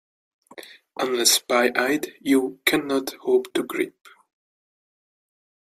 Unless pie-eyed, you cannot hope to grip.